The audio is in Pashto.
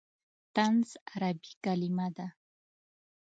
طنز عربي کلمه ده.